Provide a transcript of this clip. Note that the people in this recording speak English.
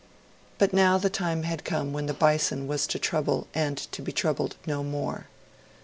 But now the time had come when the Bison was to trouble and to be troubled no more.